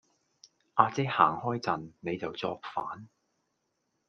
亞姐行開陣,你就作反